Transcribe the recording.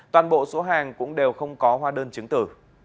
toàn bộ số hàng cũng đều không có hóa đơn chứng tử